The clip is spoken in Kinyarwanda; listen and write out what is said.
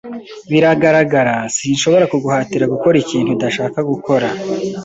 Biragaragara, sinshobora kuguhatira gukora ikintu udashaka gukora.